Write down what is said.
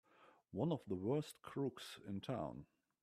One of the worst crooks in town!